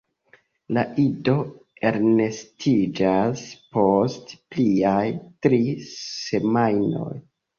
La ido elnestiĝas post pliaj tri semajnoj.